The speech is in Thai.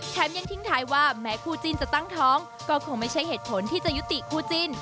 ยังทิ้งท้ายว่าแม้คู่จิ้นจะตั้งท้องก็คงไม่ใช่เหตุผลที่จะยุติคู่จิ้น